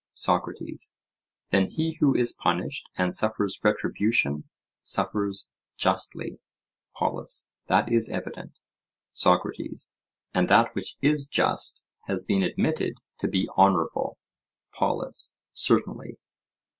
SOCRATES: Then he who is punished and suffers retribution, suffers justly? POLUS: That is evident. SOCRATES: And that which is just has been admitted to be honourable? POLUS: Certainly.